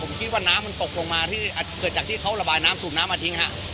ผมคิดว่าน้ำมันตกลงมาที่เกิดจากที่เขาระบายน้ำสูบน้ำมาทิ้งฮะ